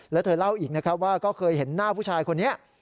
แล้วเธอเล่าอีกว่าเคยเห็นหน้าผู้ชายคนนี้